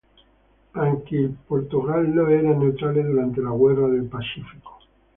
Anche il Portogallo era neutrale durante la guerra del Pacifico.